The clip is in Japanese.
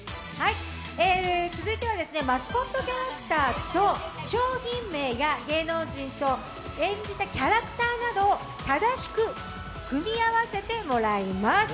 続いてはマスコットキャラクターと商品名と芸能人と演じたキャラクターなど正しく組み合わせてもらいます。